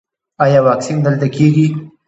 ایا واکسین دلته کیږي؟